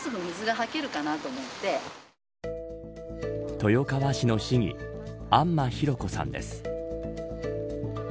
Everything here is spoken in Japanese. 豊川市の市議安間ひろこさんです。